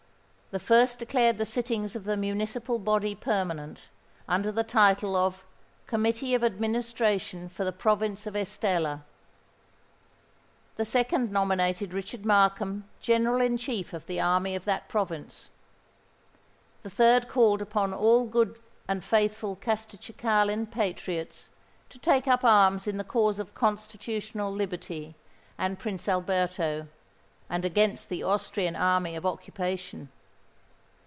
The first declared the sittings of the municipal body permanent, under the title of "Committee of Administration for the Province of Estella." The second nominated Richard Markham General in chief of the army of that province. The third called upon all good and faithful Castelcicalan patriots to take up arms in the cause of Constitutional liberty and Prince Alberto, and against the Austrian army of occupation.